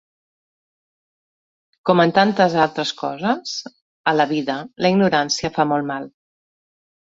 Com en tantes d’altres coses a la vida, la ignorància fa molt mal.